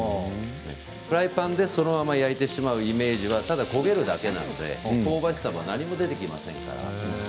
フライパンでそのまま焼くイメージは焦げるだけなので香ばしさも何も出てきません。